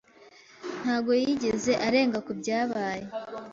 ntabwo yigeze arenga kubyabaye.